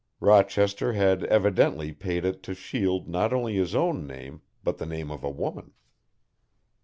Rochester had evidently paid it to shield not only his own name, but the name of a woman.